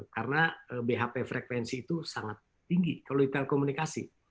karena bhp frekuensi itu sangat tinggi kalau di telekomunikasi